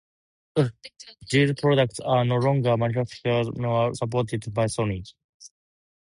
These products are no longer manufactured nor supported by Sony.